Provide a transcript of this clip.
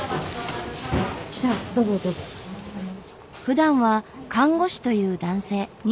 ふだんは看護師という男性。